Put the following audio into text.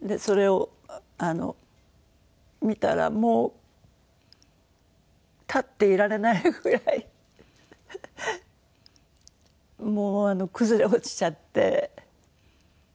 それを見たらもう立っていられないぐらいもう崩れ落ちちゃって。